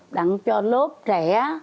đặng cho lớp trẻ